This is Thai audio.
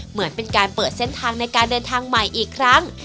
เหมือนเป็นการเปิดเส้นทางในการเดินทางใหม่อีกครั้ง